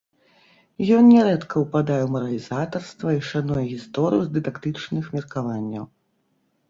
Ён нярэдка ўпадае ў маралізатарства і шануе гісторыю з дыдактычных меркаванняў.